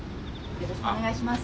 よろしくお願いします。